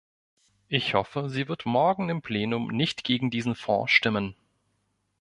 Ich hoffe, sie wird morgen im Plenum nicht gegen diesen Fonds stimmen.